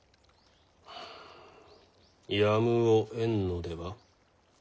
ふうやむをえんのでは？